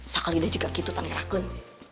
sekali dia juga gitu tan ngerahkan